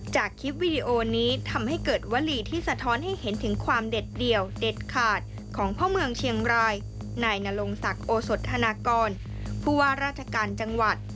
จากคลิปวิดีโอนี้ทำให้เกิดวลีที่สะท้อนให้เห็นถึงความเด็ดเดี่ยวเด็ดขาดของพ่อเมืองเชียงรายนายนรงศักดิ์โอสธนากรผู้ว่าราชการจังหวัด